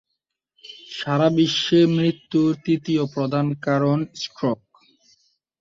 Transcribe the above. সারাবিশ্বে মৃত্যুর তৃতীয় প্রধান কারণ স্ট্রোক।